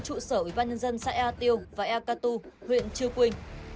trụ sở ủy ban nhân dân xã ea tiêu và ea cà tu huyện chư quynh